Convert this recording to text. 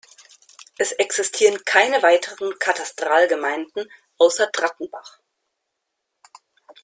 Es existieren keine weiteren Katastralgemeinden außer Trattenbach.